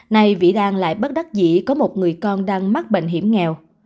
này vị đang lại bắt đắt dĩ có một người con đang mắc bệnh hiểm nghèo